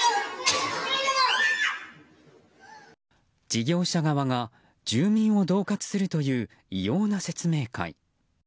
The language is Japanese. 事業者側が、住民を恫喝するという異様な説明会。